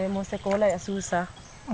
mau sekolah ya susah